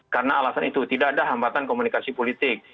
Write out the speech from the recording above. karena alasan itu tidak ada hambatan komunikasi politik